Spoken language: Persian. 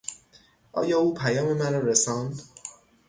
آیا او پیام مرا رساند؟